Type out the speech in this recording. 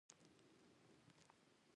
بویران په سوېلي افریقا کې مېشت هالنډیان وو.